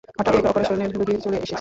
হঠাৎ এক অপারেশনের রোগী চলে এসেছিল।